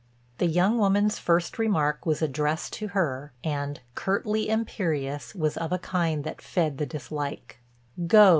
The young woman's first remark was addressed to her, and, curtly imperious, was of a kind that fed the dislike: "Go.